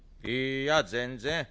いや全然。